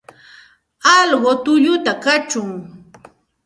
Alqu tulluta kachun.